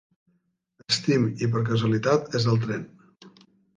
Steam, i per casualitat és al tren.